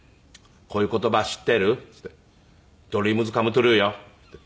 「こういう言葉知っている？」って言って「ドリームズカムトゥルーよ」って言って。